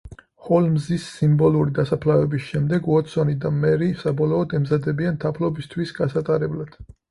ჰოლმზის სიმბოლური დასაფლავების შემდეგ, უოტსონი და მერი საბოლოოდ ემზადებიან თაფლობის თვის გასატარებლად.